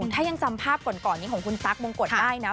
ถ้ายังจำภาพก่อนนี้ของคุณตั๊กมงกฎได้นะ